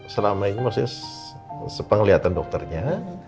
selama ini masih sepenglihatan dokternya